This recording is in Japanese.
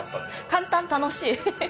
簡単楽しい。